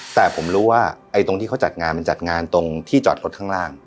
แต่ผมรู้ว่าไอ้ตรงที่เขาจัดงานมันจัดงานตรงที่จอดรถข้างล่าง